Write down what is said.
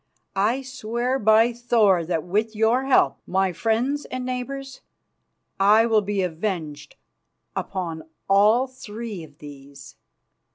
I swear by Thor that, with your help, my friends and neighbours, I will be avenged upon all three of these.